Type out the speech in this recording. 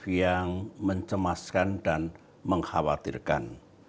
yang mencemaskan dan mengkhawatirkan